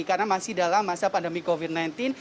karena masih dalam masa pandemi covid sembilan belas